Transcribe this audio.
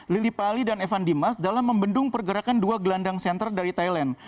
lili pali dan evan dimas dalam membendung pergerakan dua gelandang center dari thailand